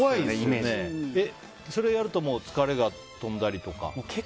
それをやると疲れが飛んだりとか？